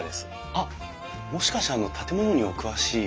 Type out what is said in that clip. あっもしかしてあの建物にお詳しい。